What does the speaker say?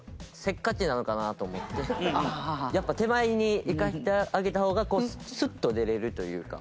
やっぱ手前に行かせてあげた方がスッと出れるというか。